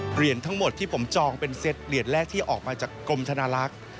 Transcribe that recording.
เหรียญทั้งหมดที่ผมจองเป็นเซตเหรียญแรกที่ออกมาจากกรมธนาลักษณ์